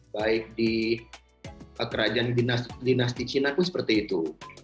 baik di kerajaan dinasti cina pun seperti itu